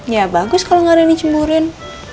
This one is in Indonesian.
ya bagus kalau gak ada yang dicemburuin